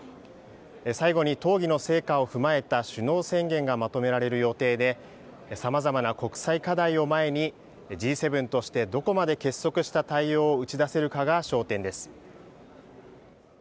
最後に討議の成果を踏まえた首脳宣言がまとめられる予定でさまざまな国際課題を前にＧ７としてどこまで結束した対応を打ち出せるかが焦点です。